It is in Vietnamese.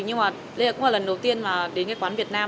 nhưng mà đây cũng là lần đầu tiên mà đến cái quán việt nam